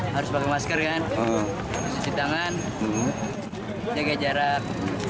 harus pakai masker kan cuci tangan jaga jarak